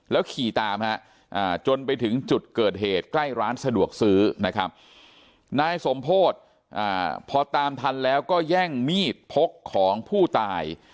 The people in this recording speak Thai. ขี่ตามฮะจนไปถึงจุดเกิดเหตุใกล้ร้านสะดวกซื้อนะครับนายสมโพธิพอตามทันแล้วก็แย่งมีดพกของผู้ตาย